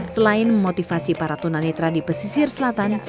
selain memotivasi para tunanetra di pesisir selatan